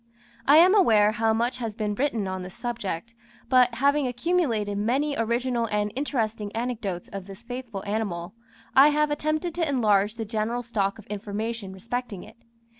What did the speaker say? I am aware how much has been written on this subject, but having accumulated many original and interesting anecdotes of this faithful animal, I have attempted to enlarge the general stock of information respecting it.